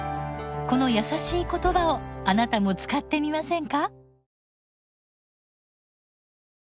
この優しい言葉をあなたも使ってみませんか。